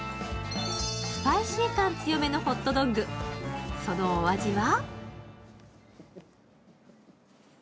スパイシー感強めのホットドッグ、そのお味は？